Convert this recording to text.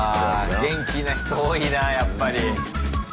元気な人多いなやっぱり。